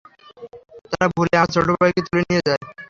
তারা ভুলে আমার ছোটভাইকে তুলে নিয়ে যায়।